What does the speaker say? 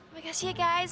makasih ya guys